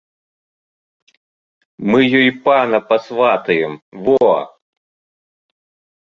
Мы ёй пана пасватаем, во!